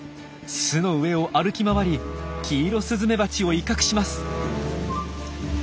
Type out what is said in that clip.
巣の上を歩き回りキイロスズメバチを威嚇します。